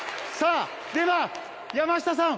では、山下さん